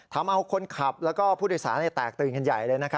ทำมาคนขับและผู้ที่สานเนี่ยแตกตื่นขันใหญ่